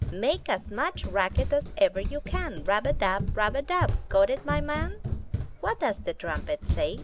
Make as much racket as ever you can. Rub a dub! rub a dub! Go it, my man!*' What does the trumpet say?